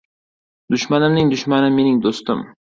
• Dushmanimning dushmani — mening do‘stim.